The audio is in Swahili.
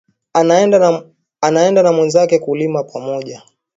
Anaenda na mwenzake kulima pamoja